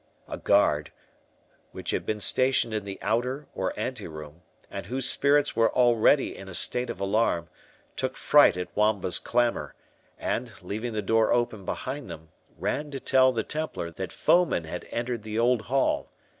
A guard, which had been stationed in the outer, or anteroom, and whose spirits were already in a state of alarm, took fright at Wamba's clamour, and, leaving the door open behind them, ran to tell the Templar that foemen had entered the old hall.